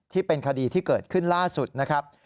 ที่เป็นคดีที่เกิดขึ้นล่าสุดนะครับ